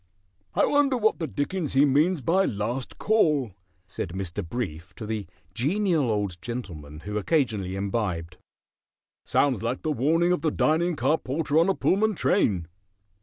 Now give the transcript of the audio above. "I wonder what the dickens he means by 'Last Call,'" said Mr. Brief to the Genial Old Gentleman who occasionally imbibed. "Sounds like the warning of the dining car porter on a Pullman train."